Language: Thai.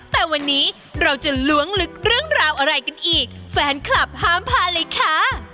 แต่วันนี้เราจะล้วงลึกเรื่องราวอะไรกันอีกแฟนคลับห้ามพาเลยค่ะ